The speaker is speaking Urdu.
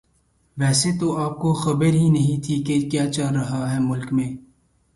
ویسے تو آپ کو خبر ہی نہیں تھی کہ کیا چل رہا ہے ملک میں